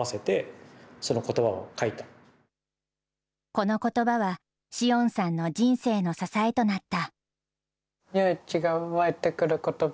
このことばは、詩音さんの人生の支えとなった。